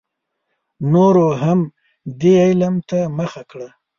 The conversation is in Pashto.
نورو هم دې علم ته مخه کړه.